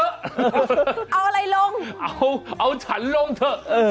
เอาอะไรลงเอาฉันลงเถอะ